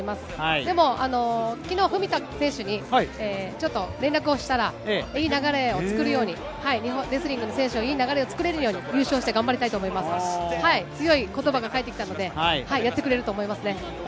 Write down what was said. でも文田選手に連絡をしたら、いい流れを作るように、日本レスリングのいい流れをつくれるように優勝したいと思いますと、強い言葉が返ってきたので、やってくれると思います。